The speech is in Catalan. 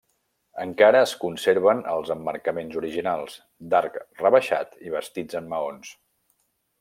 Encara es conserven els emmarcaments originals, d'arc rebaixat i bastits en maons.